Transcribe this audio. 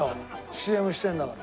ＣＭしてるんだから。